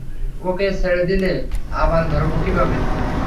ওকে ছেড়ে দিলে আবার ধরব কীভাবে?